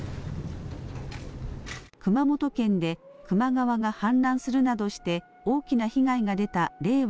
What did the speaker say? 熊本県で球磨川が氾濫するなどして大きな被害が出た令和